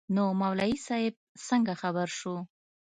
نو مولوي صاحب څنگه خبر سو.